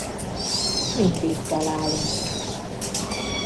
Mindig találunk.